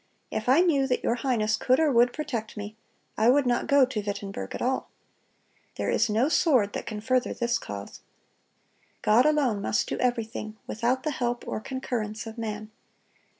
If I knew that your highness could or would protect me, I would not go to Wittenberg at all. There is no sword that can further this cause. God alone must do everything, without the help or concurrence of man.